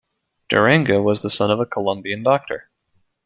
Durango was the son of a Colombian doctor.